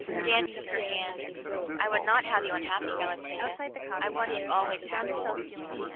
Dan took her hand. "I would not have you unhappy, Galatea. I want you always happy."